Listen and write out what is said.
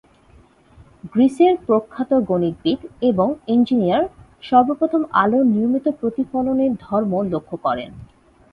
গ্রিসের প্রখ্যাত গণিতবিদ এবং ইঞ্জিনিয়ার- সর্বপ্রথম আলোর নিয়মিত প্রতিফলনের ধর্ম লক্ষ্য করেন।